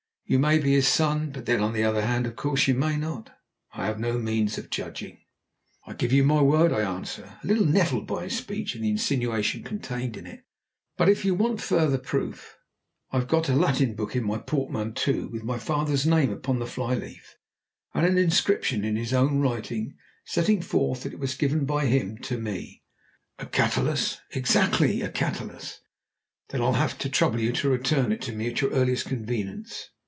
You may be his son, but then, on the other hand, of course, you may not. I have no means of judging." "I give you my word," I answered, a little nettled by his speech and the insinuation contained in it; "but if you want further proof, I've got a Latin book in my portmanteau with my father's name upon the fly leaf, and an inscription in his own writing setting forth that it was given by him to me." "A Catullus?" "Exactly! a Catullus." "Then I'll have to trouble you to return it to me at your earliest convenience.